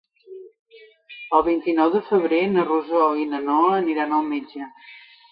El vint-i-nou de febrer na Rosó i na Noa aniran al metge.